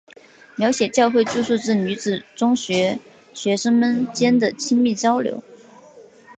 描写教会住宿制女子中学学生们间的亲密交流。